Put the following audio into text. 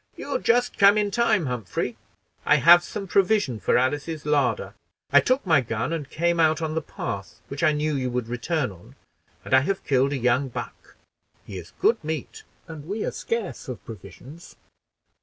"You've just come in time, Humphrey; I have some provision for Alice's larder. I took my gun and came on the path which I knew you would return by, and I have killed a young buck. He is good meat, and we are scarce of provisions."